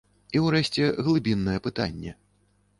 І ўрэшце, глыбіннае пытанне.